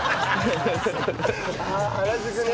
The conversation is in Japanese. あ原宿ね。